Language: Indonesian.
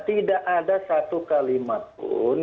tidak ada satu kalimat pun